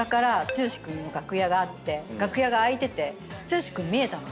剛君の楽屋があって楽屋が開いてて剛君見えたの。